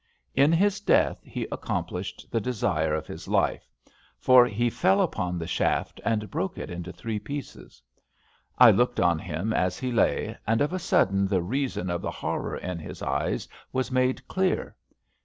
In his death he acconaplished the desire of his life, for he fell upon the shaft and broke it into three pieces. I looked on him as he lay, and of a sudden the reason of the hor ror in his eyes was made clear.